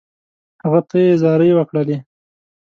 هغه ته یې زارۍ وکړې.